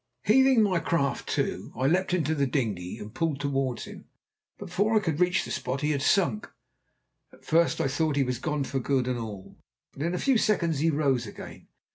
Heaving my craft to, I leapt into the dinghy, and pulled towards him, but before I could reach the spot he had sunk. At first I thought he was gone for good and all, but in a few seconds he rose again.